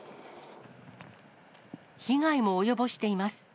被害も及ぼしています。